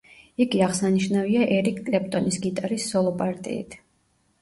იგი აღსანიშნავია ერიკ კლეპტონის გიტარის სოლო პარტიით.